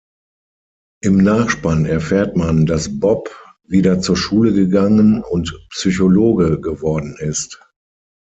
Im Nachspann erfährt man, dass Bob wieder zur Schule gegangen und Psychologe geworden ist.